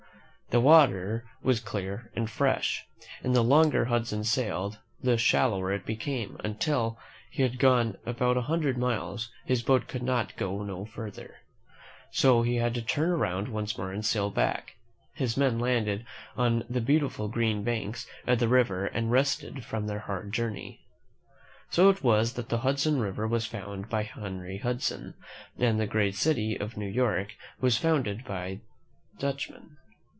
The water was clear and fresh, and the longer Hudson sailed, the shallower it became, until, after he had gone about a hundred miles, his boat could go no further, so he had to turn around once more and sail back. His men landed on the beautiful green banks of the river and rested from their hard journey. So it was that the Hudson River was found by Henry Hudson, and the great city of New York was founded by Dutchmen.